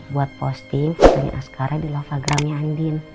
buat posting fotonya askara di lovagramnya andin